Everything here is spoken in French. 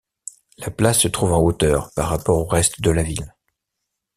La place se trouve en hauteur par rapport au reste de la ville.